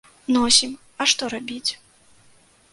Носім, а што рабіць.